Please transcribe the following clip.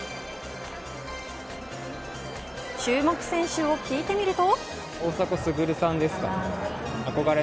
注目選手を聞いてみると。